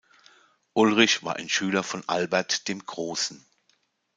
Ulrich war ein Schüler von Albert dem Großen.